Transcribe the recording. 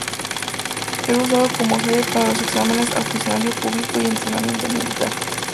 Era usado como sede para los exámenes a funcionario público y el entrenamiento militar.